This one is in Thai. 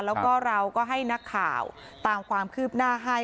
แล้วก็เราก็ให้นักข่าวตามความคืบหน้าให้